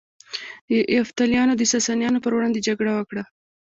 یفتلیانو د ساسانیانو پر وړاندې جګړه وکړه